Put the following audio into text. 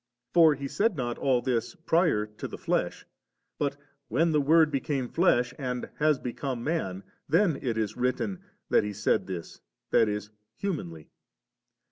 For He said not all this prior to the flesh ; but when the * Word became flesh,' and has become man, then is it written that He said this, that is,^ humanly.